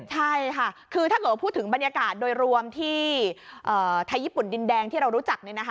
ใช่ค่ะคือถ้าเกิดว่าพูดถึงบรรยากาศโดยรวมที่ไทยญี่ปุ่นดินแดงที่เรารู้จัก